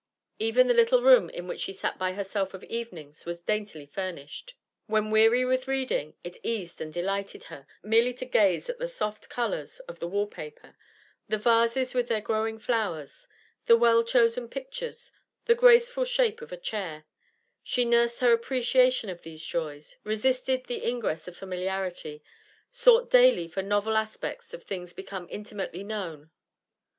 Even the little room in which she sat by herself of evenings was daintily furnished; when weary with reading, it eased and delighted her merely to gaze at the soft colours of the wall paper, the vases with their growing flowers, the well chosen pictures, the graceful shape of a chair; she nursed her appreciation of these Joys, resisted the ingress of familiarity, sought daily for novel aspects of things become intimately known.